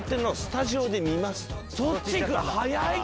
そっち行くの早いって。